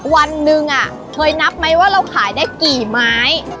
วันหนึ่งเคยนับไหมว่าเราขายได้กี่ไม้